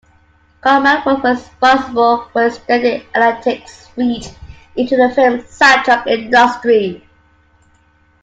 Kallman was responsible for extending Atlantic's reach into the film soundtrack industry.